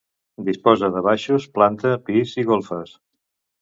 Disposa de baixos, planta, pis i golfes.